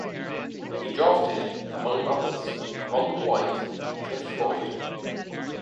He drafted, among others, Rondell White and Cliff Floyd.